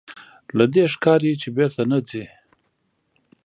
له دې ښکاري چې بېرته نه ځې.